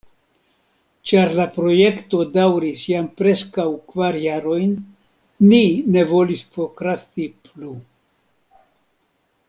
Ĉar la projekto daŭris jam preskaŭ kvar jarojn, ni ne volis prokrasti plu.